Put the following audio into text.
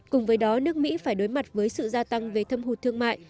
cùng với đó nước mỹ phải đối mặt với sự gia tăng về thâm hụt thương mại